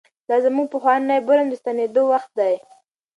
دا زموږ پخواني برم ته د ستنېدو وخت دی.